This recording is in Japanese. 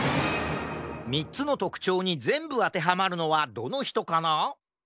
３つのとくちょうにぜんぶあてはまるのはどのひとかな？